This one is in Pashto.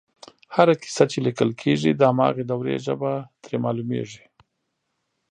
هره کیسه چې لیکل کېږي د هماغې دورې ژبه ترې معلومېږي